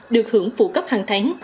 được hưởng phụ cấp hàng tháng